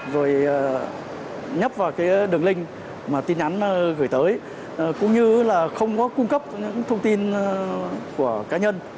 rồi nhấp vào cái đường link mà tin nhắn gửi tới cũng như là không có cung cấp những thông tin của cá nhân